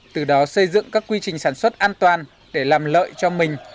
từ đó xây dựng các quy trình sản xuất an toàn để làm lợi cho mình